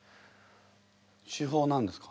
手法なんですか？